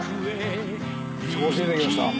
調子出てきました。